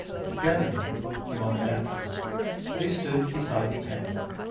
Together, a moment after, they stood beside the anvil.